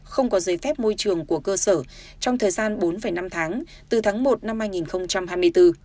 không có giấy phép môi trường của cơ sở trong thời gian bốn năm tháng từ tháng một năm hai nghìn hai mươi bốn